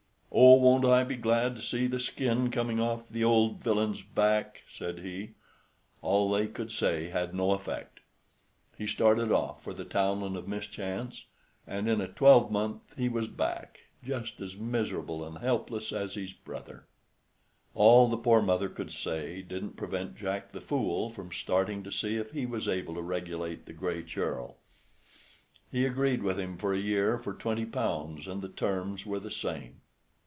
"Oh, won't I be glad to see the skin coming off the old villain's back!" said he. All they could say had no effect: he started off for the Townland of Mischance, and in a twelvemonth he was back just as miserable and helpless as his brother. All the poor mother could say didn't prevent Jack the Fool from starting to see if he was able to regulate the Gray Churl. He agreed with him for a year for twenty pounds, and the terms were the same.